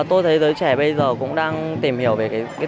tôi thấy giới trẻ bây giờ cũng đang tìm hiểu về cái